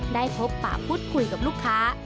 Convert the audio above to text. ได้พบปากพูดคุยกับลูกค้า